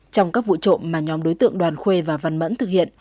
trong các vụ trộm mà nhóm đối tượng đoàn khuê và văn mẫn thực hiện